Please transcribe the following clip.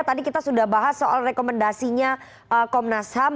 tadi kita sudah bahas soal rekomendasinya komnas ham